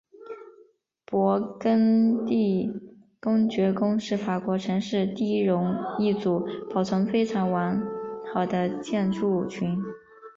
勃艮第公爵宫是法国城市第戎一组保存非常完好的建筑群。